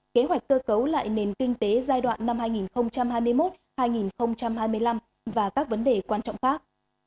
kế hoạch cơ cấu lại nền kinh tế giai đoạn năm hai nghìn hai mươi một hai nghìn hai mươi năm và các vấn đề quan trọng khác